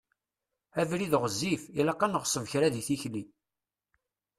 Abrid ɣezzif, ilaq ad neɣṣeb kra deg tikli.